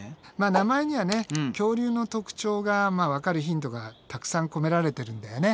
名前にはね恐竜の特徴がわかるヒントがたくさん込められてるんだよね。